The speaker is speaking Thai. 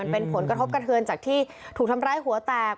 เป็นผลกระทบกระเทือนจากที่ถูกทำร้ายหัวแตก